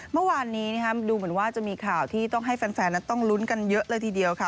เมื่อวานนี้ดูเหมือนว่าจะมีข่าวที่ต้องให้แฟนนั้นต้องลุ้นกันเยอะเลยทีเดียวค่ะ